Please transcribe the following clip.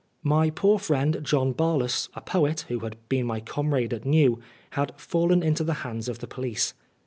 My poor friend, John Barlas, a poet, who had been my comrade at New, had fallen into the hands of the police.